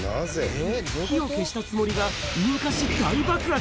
火を消したつもりが、引火し、大爆発。